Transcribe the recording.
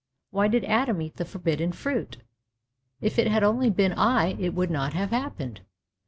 Why did Adam eat the forbidden fruit! If it had only been I it would not have happened!